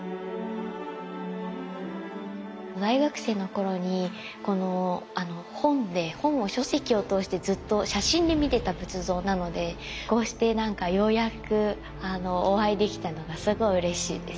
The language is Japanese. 大学生の頃に本で書籍を通してずっと写真で見てた仏像なのでこうしてなんかようやくお会いできたのがすごいうれしいです。